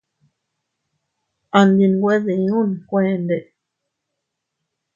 A ndi nwe diun kuende.